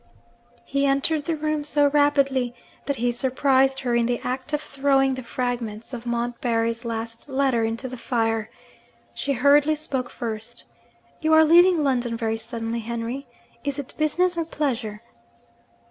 He entered the room so rapidly that he surprised her in the act of throwing the fragments of Montbarry's last letter into the fire. She hurriedly spoke first. 'You are leaving London very suddenly, Henry. Is it business? or pleasure?'